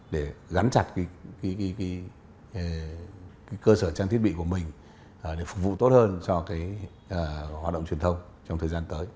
để gắn chặt cơ sở trang thiết bị của mình để phục vụ tốt hơn cho hoạt động truyền thông trong thời gian tới